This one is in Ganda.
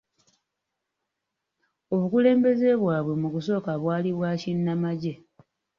Obukulembeze bwabwe mu kusooka bwali bwa kinnamagye.